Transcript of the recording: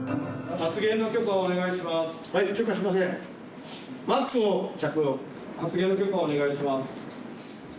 発言の許可をお願いします。